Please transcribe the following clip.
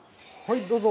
どうぞ。